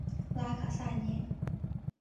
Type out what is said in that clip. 拉卡萨尼。